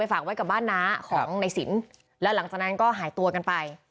ฝากไว้กับบ้านน้าของในสินแล้วหลังจากนั้นก็หายตัวกันไป